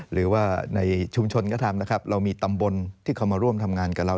หรือว่าในชุมชนก็ทำนะครับเรามีตำบลที่เขามาร่วมทำงานกับเรา